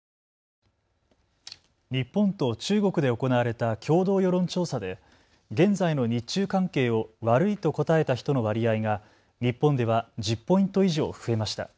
日本と中国で行われた共同世論調査で現在の日中関係を悪いと答えた人の割合が日本では１０ポイント以上増えました。